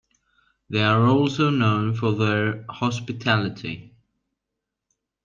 They are also known for their hospitality.